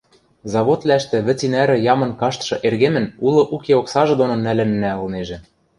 – Заводвлӓштӹ вӹц и нӓрӹ ямын каштшы эргемӹн улы-уке оксажы доно нӓлӹннӓ ылнежӹ...